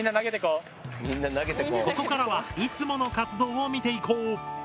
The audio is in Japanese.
ここからはいつもの活動を見ていこう。